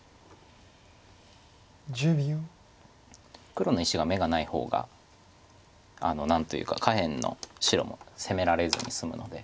黒の石が眼がない方が何というか下辺の白も攻められずに済むので。